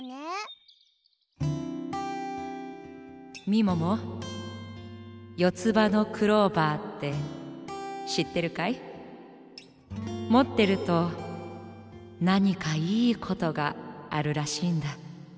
みももよつばのクローバーってしってるかい？もってるとなにかいいことがあるらしいんだ。